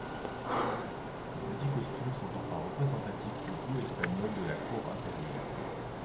Les petits costumes sont enfin représentatifs du goût espagnol de la cour impérial.